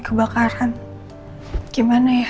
kebakaran gimana ya